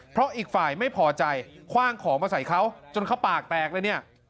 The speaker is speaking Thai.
เพราะอีกฝ่ายไม่พอใจคว่างของมาใส่เขาจนเขาปากแตกเลยเนี่ย